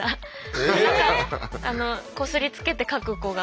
えっ⁉こすりつけてかく子が。